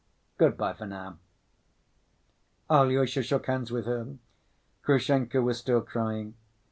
Good‐by for now." Alyosha shook hands with her. Grushenka was still crying.